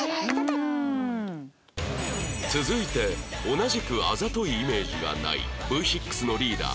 続いて同じくあざといイメージがない Ｖ６ のリーダー